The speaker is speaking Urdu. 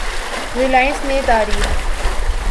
ریلائنس نے تاریخ